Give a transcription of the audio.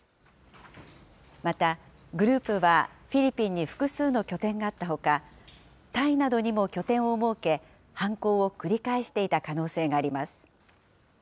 また、グループはフィリピンに複数の拠点があったほか、タイなどにも拠点を設け、犯行を繰り返していた可能性があります。